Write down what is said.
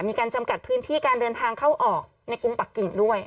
มีการจำกัดพื้นที่การเดินทางเข้าออกในกรุงปักกิ่งด้วย